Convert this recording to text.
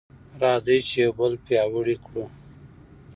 راځئ چې یو بل پیاوړي کړو.